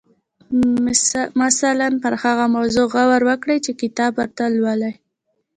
مثلاً پر هغه موضوع غور وکړئ چې کتاب ورته لولئ.